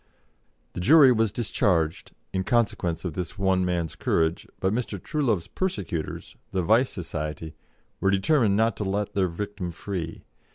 The jury was discharged, in consequence of this one man's courage, but Mr. Truelove's persecutors the Vice Society were determined not to let their victim free.